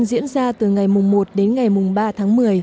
diễn ra từ ngày một đến ngày mùng ba tháng một mươi